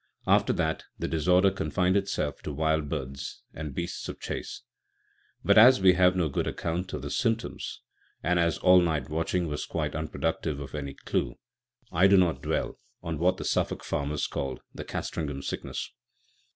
After that the disorder confined itself to wild birds, and beasts of chase. But as we have no good account of the symptoms; and as all night watching was quite unproductive of any clue, I do not dwell on what the Suffolk farmers called the "Castringham sickness."